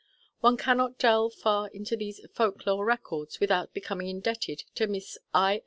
One cannot delve far into these folk lore records without becoming indebted to Miss I.